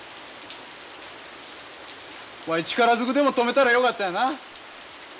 わい力ずくでも止めたらよかったんやな。